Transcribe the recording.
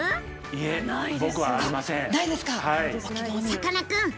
さかなクン